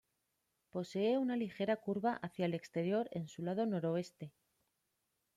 Posee una ligera curva hacia el exterior en su lado noroeste.